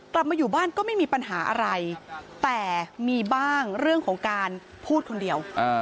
กลับมาอยู่บ้านก็ไม่มีปัญหาอะไรแต่มีบ้างเรื่องของการพูดคนเดียว